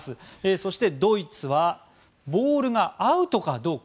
そして、ドイツはボールがアウトかどうか？